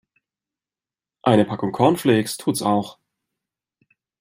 Eine Packung Cornflakes tut's auch.